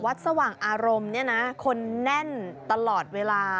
สว่างอารมณ์เนี่ยนะคนแน่นตลอดเวลา